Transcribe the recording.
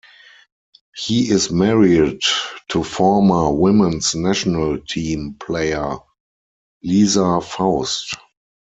He is married to former Women's National Team player Lisa Faust.